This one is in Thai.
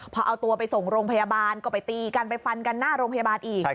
พอเอาตัวไปส่งโรงพยาบาลก็ไปตีกันไปฟันกันหน้าโรงพยาบาลอีก